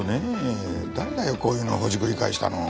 誰だよこういうのほじくり返したの。